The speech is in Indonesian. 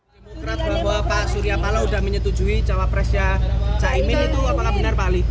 demokrat bahwa pak surya pala sudah menyetujui cawapresnya caimin itu apakah benar pak ali